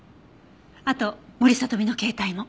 あと森聡美の携帯も。